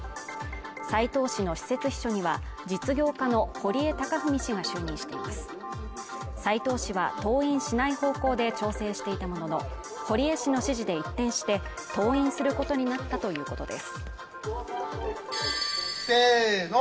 斉藤氏の私設秘書には実業家の堀江貴文氏が就任しています斉藤氏は登院しない方向で調整していたものの堀江氏の指示で一転して登院することになったということです。